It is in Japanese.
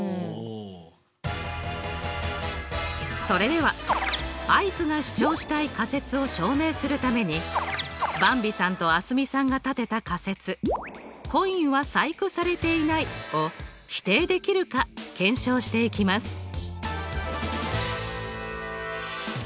それではアイクが主張したい仮説を証明するためにばんびさんと蒼澄さんが立てた仮説「コインは細工されていない」を否定できるか検証していきます。